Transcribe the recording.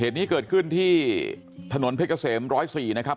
เหตุนี้เกิดขึ้นที่ถนนเพชรเกษม๑๐๔นะครับ